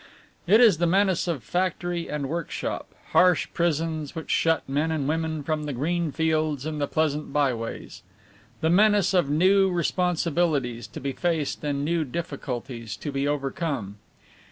It is the menace of factory and workshop, harsh prisons which shut men and women from the green fields and the pleasant by ways; the menace of new responsibilities to be faced and new difficulties to be overcome.